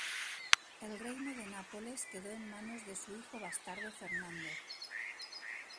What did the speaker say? El reino de Nápoles quedó en manos de su hijo bastardo Fernando.